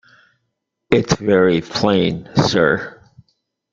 It's very plain, sir.